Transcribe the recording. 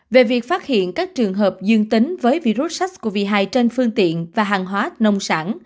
về việc phát hiện các trường hợp dương tính với virus sars cov hai trên phương tiện và hàng hóa nông sản